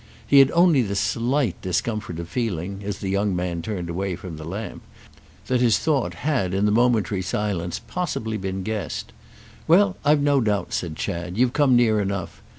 He had only the slight discomfort of feeling, as the young man turned away from the lamp, that his thought had in the momentary silence possibly been guessed. "Well, I've no doubt," said Chad, "you've come near enough.